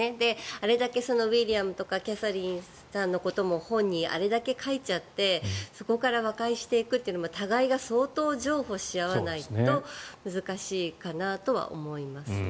あれだけウィリアムとかキャサリンさんのことも本にあれだけ書いちゃってそこから和解していくというのも互いが相当譲歩し合わないと難しいかなとは思いますね。